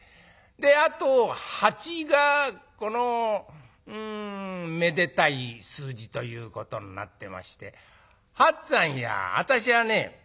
であと「八」がこのめでたい数字ということになってまして「八つぁんや私はね